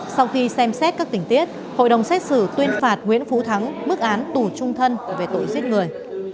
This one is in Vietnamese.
sau khi xem xét các tình tiết hội đồng xét xử tuyên phạt nguyễn phú thắng mức án tù trung thân về tội giết người